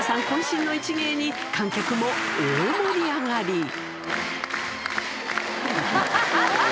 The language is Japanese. こん身の一芸に、観客も大盛り上がり。